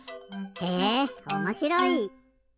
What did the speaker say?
へえおもしろい！